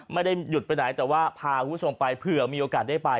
ไม่ได้หยุดไปไหนแต่ว่าพาคุณผู้ชมไปเผื่อมีโอกาสได้ไป